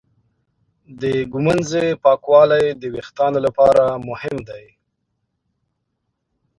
د ږمنځې پاکوالی د وېښتانو لپاره مهم دی.